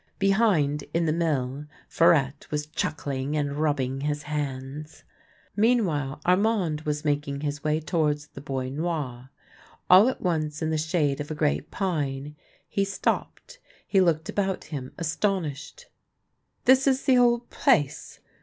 Behind, in the mill, Farette was chuckling and rubbing his hands. ]\Ieanwhile, Armand was making his way towards the Bois Noir. All at once, in the shade of a great pine, he stopped. He looked about him astonished. " This is the old place